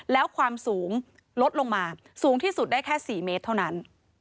แล้วความสูงลดลงมาสูงที่สุดได้แค่๔เมตรเท่านั้น